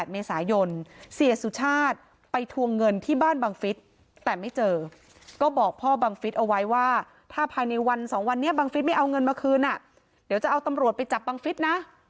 เสียสุชาติไปทวงเงินที่บ้านบังฟิศแต่ไม่เจอก็บอกพ่อบังฟิศเอาไว้ว่าถ้าภายในวัน๒วันนี้บังฟิศไม่เอาเงินมาคืนเดี๋ยวจะเอาตำรวจไปจับบังฟิศนะ